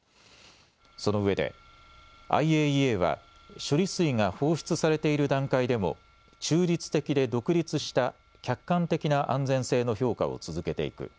そのうえでＩＡＥＡは処理水が放出されている段階でも中立的で独立した客観的な安全性の評価を続けていく。